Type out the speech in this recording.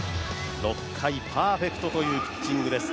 ６回パーフェクトというピッチングです。